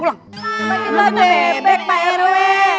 lagi lu bebek pak rw